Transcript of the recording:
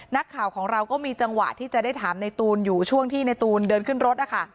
นักข่าวของเราก็มีจังหวะที่จะได้ถามในตูนอยู่ช่วงที่ในตูนเดินขึ้นรถนะคะ